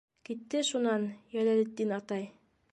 Китте шунан «Йәләлетдин атай».